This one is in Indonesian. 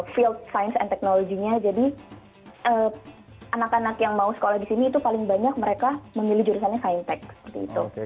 field science and technology nya jadi anak anak yang mau sekolah di sini itu paling banyak mereka memilih jurusannya scientech seperti itu